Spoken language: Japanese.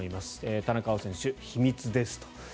田中碧選手、秘密ですと。